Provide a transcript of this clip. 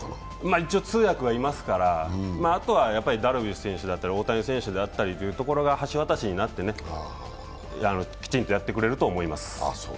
一応通訳がいますから、あとはダルビッシュ選手だったり、大谷選手であったりというところが橋渡しになって、きちんとやってくれると思います。